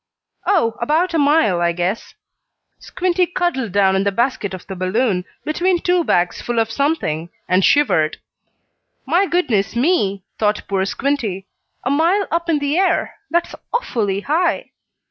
"Oh, about a mile, I guess." Squinty cuddled down in the basket of the balloon, between two bags full of something, and shivered. "My goodness me!" thought poor Squinty. "A mile up in the air! That's awfully high."